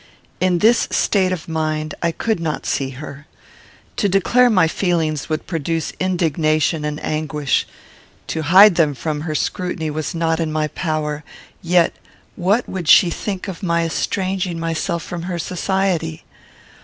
In this state of mind, I could not see her. To declare my feelings would produce indignation and anguish; to hide them from her scrutiny was not in my power; yet, what would she think of my estranging myself from her society?